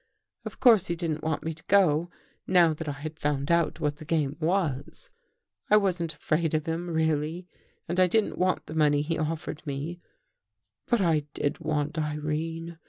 Of course he didn't want me to go now that I had found out what the game was. " I wasn't afraid of him really and I didn't want the money he offered me, but I did want Irene.